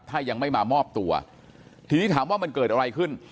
ถ้ายังไม่มามอบตัวทีนี้ถามว่ามันเกิดอะไรขึ้น